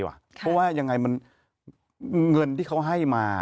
เพราะว่ายังไงมันเงินที่เขาให้มา